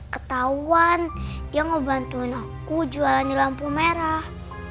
ketahuan dia ngebantuin aku jualannya lampu merah